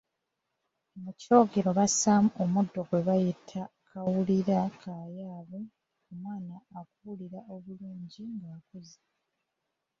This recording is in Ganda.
Mu kyogero bassaamu omuddo gwe bayita akawulira kayambe omwana okuwulira obulungi ng’akuze.